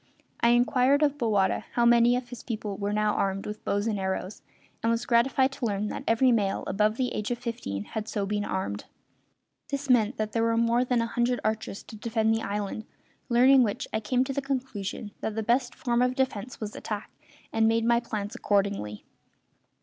I inquired of Bowata how many of his people were now armed with bows and arrows, and was gratified to learn that every male above the age of fifteen had been so armed. This meant that there were more than a hundred archers to defend the island; learning which I came to the conclusion that the best form of defence was attack, and made my plans accordingly.